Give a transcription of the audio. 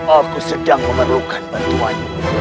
aku sedang memerlukan bantuan